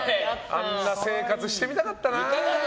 あんな生活してみたかったな。